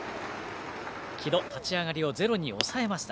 城戸、立ち上がりをゼロに抑えました。